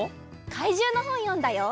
かいじゅうのほんよんだよ！